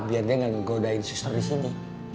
biar dia gak ngegodain suster disini